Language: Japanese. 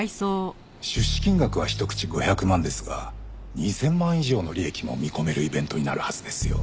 出資金額は１口５００万ですが２０００万以上の利益も見込めるイベントになるはずですよ。